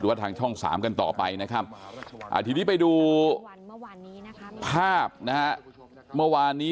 ว่าทางช่อง๓กันต่อไปนะครับทีนี้ไปดูภาพนะฮะเมื่อวานนี้